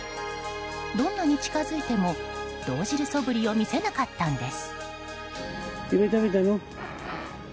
どんなに近づいても動じるそぶりを見せなかったんです。